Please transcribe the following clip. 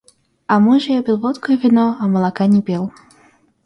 А муж её пил водку и вино, а молока не пил.